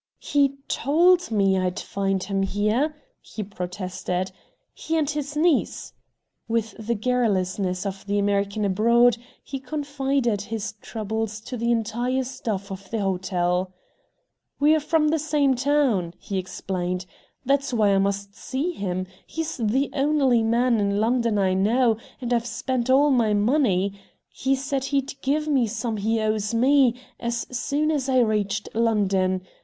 "He TOLD me I'd find him here," he protested., "he and his niece." With the garrulousness of the American abroad, he confided his troubles to the entire staff of the hotel. "We're from the same town," he explained. "That's why I must see him. He's the only man in London I know, and I've spent all my money. He said he'd give me some he owes me, as soon as I reached London.